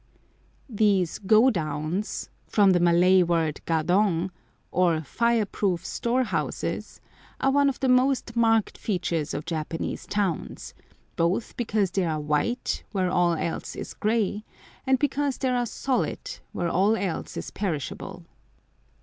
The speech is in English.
These "godowns" (from the Malay word gadong), or fire proof store houses, are one of the most marked features of Japanese towns, both because they are white where all else is grey, and because they are solid where all else is perishable.